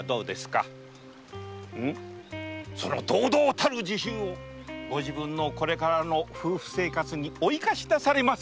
その自信をご自分のこれからの夫婦生活にお活かしなされませ。